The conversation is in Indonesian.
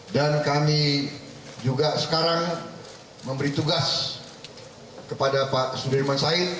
dan kami juga sekarang memberi tugas kepada pak sudirman said